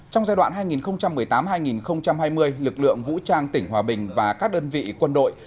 trong giai đoạn hai nghìn một mươi tám hai nghìn hai mươi lực lượng vũ trang tỉnh hòa bình và các đơn vị quân đội